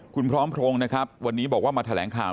คุณพร้อมพรงนะครับวันนี้บอกว่ามาแถลงข่าว